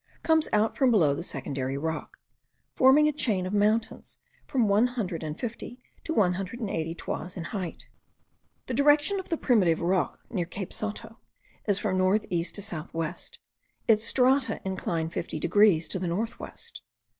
comes out from below the secondary rock, forming a chain of mountains from one hundred and fifty to one hundred and eighty toises in height. The direction of the primitive rock near Cape Sotto is from north east to south west; its strata incline fifty degrees to the north west.